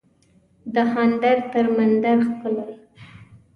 دهاندر تر مندر ښکلی